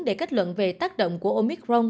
để kết luận về tác động của omicron